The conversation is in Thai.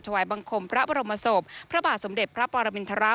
ถวายบังคมพระบรมสมพระฉมเด็จพระปรมินฐาราช